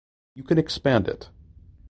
You can expand it.